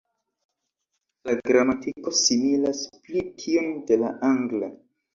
La gramatiko similas pli tiun de la angla.